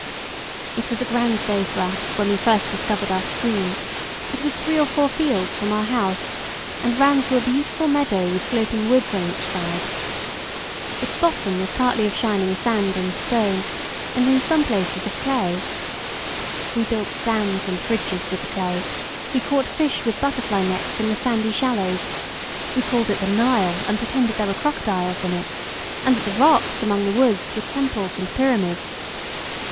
It was a grand day for us when we first discovered our stream; it was three or four fields from our house, and ran through a beautiful meadow with sloping woods on each side. Its bottom was partly of shining sand and stone, and in some places of clay. We built dams and bridges with the clay, we caught fish with butterfly nets in the sandy shallows; we called it the Nile and pretended that there were crocodiles in it, and that the rocks among the woods were temples and pyramids.